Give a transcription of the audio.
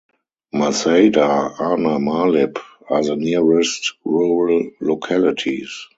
Mazada ana Maalib are the nearest rural localities.